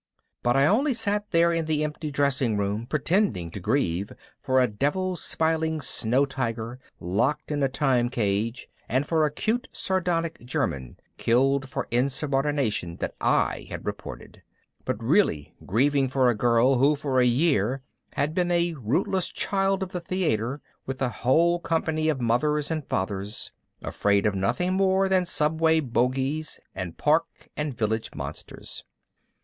But I only sat there in the empty dressing room pretending to grieve for a devil smiling snow tiger locked in a time cage and for a cute sardonic German killed for insubordination that I had reported ... but really grieving for a girl who for a year had been a rootless child of the theater with a whole company of mothers and fathers, afraid of nothing more than subway bogies and Park and Village monsters.